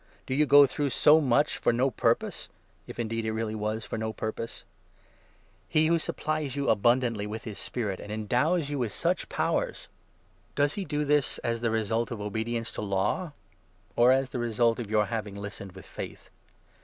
Did you go through so much to no purpose? — if indeed it 4 really was to no purpose ! He who supplies you abundantly 5 with his Spirit and endows you with such powers — does he do 16 Ps. 143. a. 800 GALATIANS, 8. this as the result of obedience to Law? or as the result of your having listened with faith